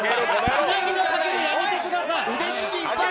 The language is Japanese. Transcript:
つなぎのたけるやめてください。